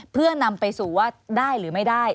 เพื่อนำไปสู่ว่าได้หรือไม่ได้